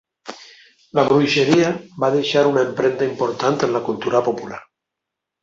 La bruixeria va deixar una empremta important en la cultura popular.